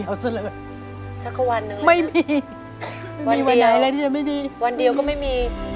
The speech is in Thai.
ร้องได้